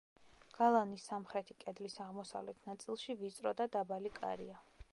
გალავნის სამხრეთი კედლის აღმოსავლეთ ნაწილში ვიწრო და დაბალი კარია.